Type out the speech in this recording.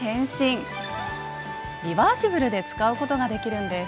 リバーシブルで使うことができるんです。